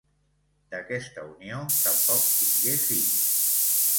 D'aquesta unió tampoc tingué fills.